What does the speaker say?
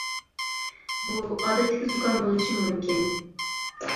بۇ ئادەتتىكى زۇكام بولۇشى مۇمكىن.